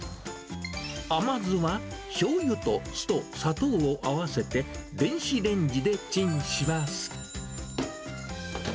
甘酢は、しょうゆと酢と砂糖を合わせて、電子レンジでチンします。